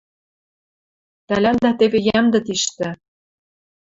Тӓлӓндӓ теве йӓмдӹ тиштӹ. —